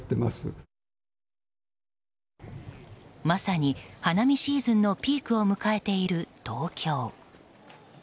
まさに花見シーズンのピークを迎えている東京。